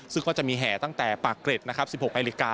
ซึ่งก็จะมีแห่ตั้งแต่ปากเกร็ดนะครับ๑๖นาฬิกา